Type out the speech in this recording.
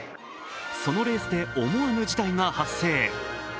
そのレースで思わぬ事態が発生。